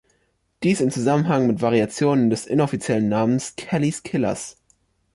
Dies im Zusammenhang mit Variationen des inoffiziellen Namens „Kelly‘s Killers“.